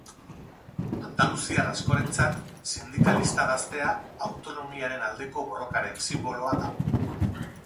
Andaluziar askorentzat sindikalista gaztea autonomiaren aldeko borrokaren sinboloa da.